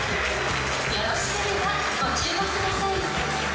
よろしければご注目ください。